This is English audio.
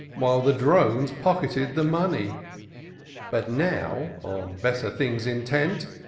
While the drones pocketed the money. But now, on better things intent.